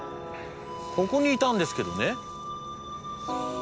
ここにいたんですけどね。